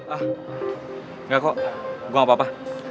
ah enggak kok gue gak apa apa